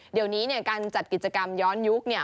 เดี๋ยวนี้เนี่ยการจัดกิจกรรมย้อนยุคเนี่ย